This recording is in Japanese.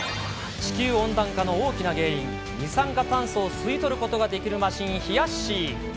地球温暖化の大きな原因、二酸化炭素を吸い取ることができるマシン、ひやっしー。